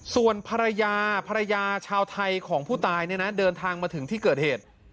ส่วนภรรยาภรรยาชาวไทยของผู้ตายเนี่ยนะเดินทางมาถึงที่เกิดเหตุ